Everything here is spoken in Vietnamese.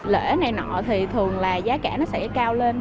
lễ này nọ thì thường là giá cả nó sẽ cao lên